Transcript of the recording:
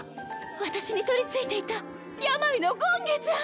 私に取りついていた病の権化じゃ！